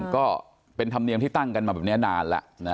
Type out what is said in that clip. ก็เป็นธรรมเนียมที่ตั้งกันมาแบบนี้นานแล้ว